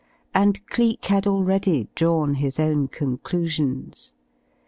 And Cleek had already drawn his own conclusions.